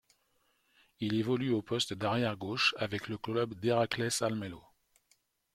Il évolue au poste d'arrière gauche avec le club d'Heracles Almelo.